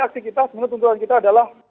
aksi kita sebenarnya tuntutan kita adalah